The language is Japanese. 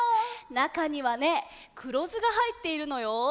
なかにはねくろずがはいっているのよ。